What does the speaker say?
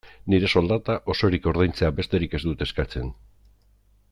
Nire soldata osorik ordaintzea besterik ez dut eskatzen.